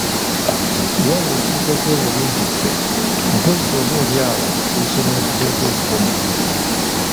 Wabula ekitukoze obubi nti ffe mpozzi oba oli awo tuyise newetuteekwa okukoma.